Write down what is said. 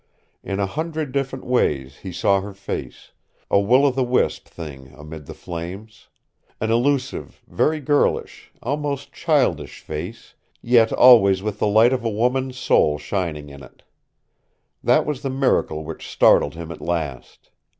In a hundred different ways he saw her face, a will o the wisp thing amid the flames; an illusive, very girlish, almost childish face yet always with the light of a woman's soul shining in it. That was the miracle which startled him at last.